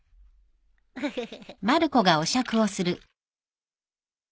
ウフフフ。